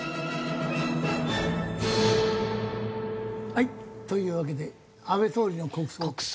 はいというわけで安倍総理の国葬。